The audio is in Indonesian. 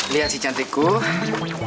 lihat si cantikku